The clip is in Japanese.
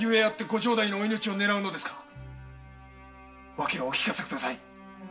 訳をお聞かせください